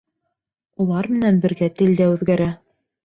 Улар менән бергә тел дә үҙгәрә.